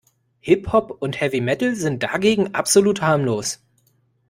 Hip-Hop und Heavy Metal sind dagegen absolut harmlos.